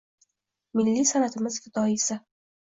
Milliy san’atimiz fidoyisi